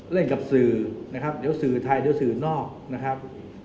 กับสื่อนะครับเดี๋ยวสื่อไทยเดี๋ยวสื่อนอกนะครับ